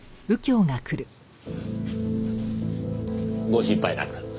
ご心配なく。